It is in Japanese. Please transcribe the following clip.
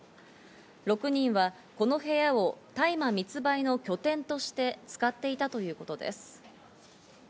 ６人はこの部屋を大麻密売の拠点として使っていたということです。